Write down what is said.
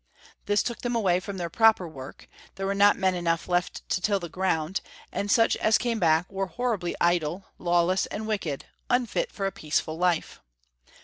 This took them away from their proper work ; there were not men enough left to till the groimd, and such as came back Avere honibly idle, lawless, and wicked, unfit for a peaceful life.